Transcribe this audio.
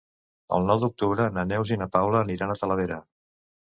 El nou d'octubre na Neus i na Paula aniran a Talavera.